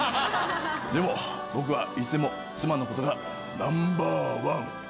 でも僕はいつでも妻のことがナンバーワン！